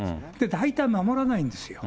大体守らないんですよ。